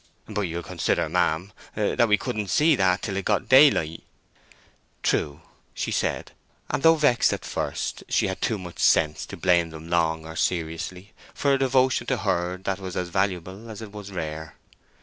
"But you'll consider, ma'am, that we couldn't see that till it got daylight." "True," she said, and though vexed at first she had too much sense to blame them long or seriously for a devotion to her that was as valuable as it was rare.